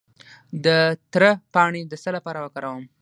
د تره پاڼې د څه لپاره وکاروم؟